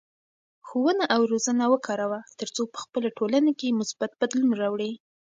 ښوونه او روزنه وکاروه ترڅو په خپله ټولنه کې مثبت بدلون راوړې.